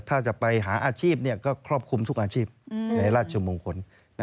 ถ้าจะไปหาอาชีพก็ครอบคลุมทุกอาชีพในราชมงคล